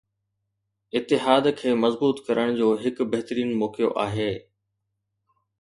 اتحاد کي مضبوط ڪرڻ جو هڪ بهترين موقعو آهي